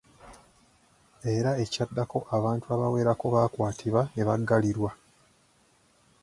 Era ekyaddako abantu abawerako baakwatibwa ne baggalirwa.